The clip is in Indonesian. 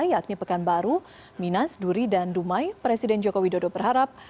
yakni pekanbaru minas duri dan dumai presiden joko widodo berharap